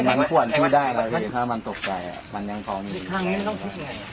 ลองหัวไปได้เลยอืมนั่งบัตรให้มันออกได้ได้